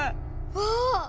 わあ！